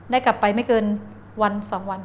ได้กลับไปไม่เกินวัน๒วัน